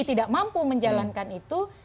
tidak mampu menjalankan itu